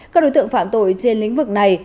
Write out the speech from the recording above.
các đối tượng phạm tội trên lĩnh vực này